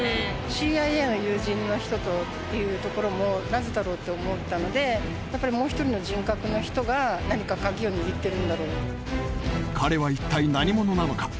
ＣＩＡの友人の人とっていうところもなぜだろうって思ったのでやっぱりもう一人の人格の人が何かカギを握ってるんだろう彼は一体何者なのか？